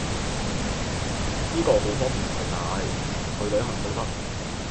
依個好方便携帶，去旅行都得